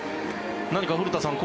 何か古田さん